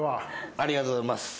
ありがとうございます。